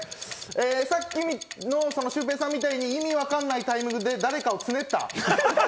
さっきのシュウペイさんみたいに意味分かんないタイミングで誰かをつねった。